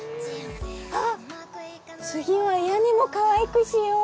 あっ次は屋根もかわいくしよう！